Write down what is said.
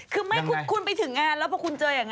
คือไม่คุณไปถึงงานแล้วพอคุณเจออย่างนั้น